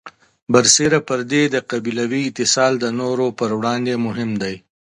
برسېره پر دې، د قبیلوي اتصال د نورو پر وړاندې مهم دی.